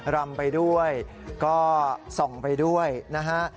รำไปด้วยก็ส่องไปด้วยนะฮะ